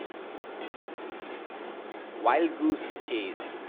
Wild-goose chase